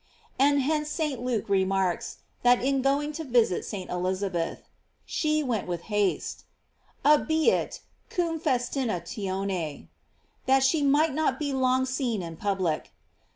And hence St. Luke remarks, that in going to visit St. Elizabeth: She went with haste: "Abiit cum festinatione," that she might not be long seen in public.